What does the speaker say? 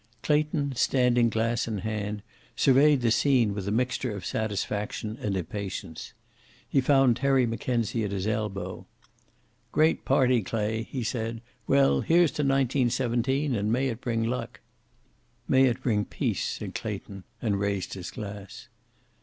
Clayton, standing glass in hand, surveyed the scene with a mixture of satisfaction and impatience. He found Terry Mackenzie at his elbow. "Great party, Clay," he said. "Well, here's to 1917, and may it bring luck." "May it bring peace," said Clayton, and raised his glass.